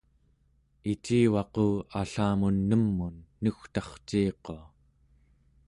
icivaqu allamun nem'un nugtarciiqua